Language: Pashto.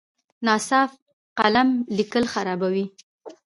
ناصاف قلم لیکل خرابوي.